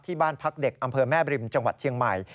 บ้านพักเด็กอำเภอแม่บริมจังหวัดเชียงใหม่